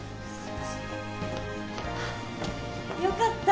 よかった